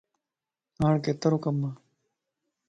ھاڻ ڪيترو ڪمَ؟